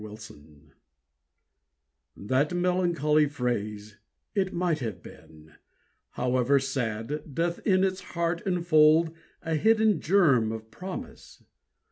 "HAS BEEN" That melancholy phrase "It might have been," However sad, doth in its heart enfold A hidden germ of promise!